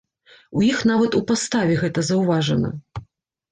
У іх нават у паставе гэта заўважна.